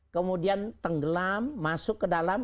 kemudian tenggelam masuk ke dalam